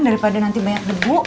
daripada nanti banyak debu